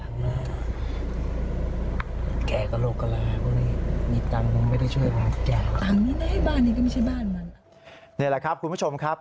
นี่แหละครับคุณผู้ชมครับ